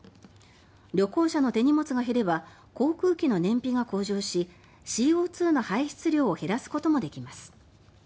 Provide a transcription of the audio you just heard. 旅行者の手荷物が減れば航空機の燃費が向上しＣＯ２の排出量を減らすこともできます。